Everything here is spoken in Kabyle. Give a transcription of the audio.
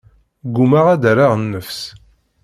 Ggumaɣ ad d-rreɣ nnefs.